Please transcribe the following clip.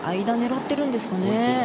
間を狙っているんですね。